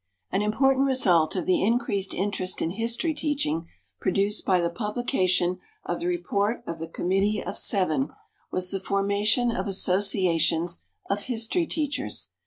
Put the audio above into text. An important result of the increased interest in history teaching produced by the publication of the report of the Committee of Seven was the formation of associations of history teachers.